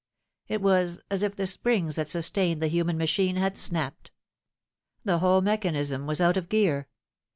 It was as if the springs that sustained the human machine had snapped. The whole mechanism was out of gear.